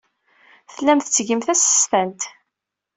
Tellam tettgem tasestant.